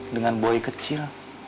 dengan boy kecil